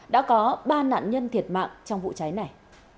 đã có ba nạn nhân thiệt mạng trong vụ cháy này